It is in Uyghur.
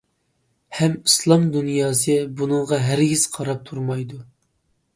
ھەم ئىسلام دۇنياسى بۇنىڭغا ھەرگىز قاراپ تۇرمايدۇ!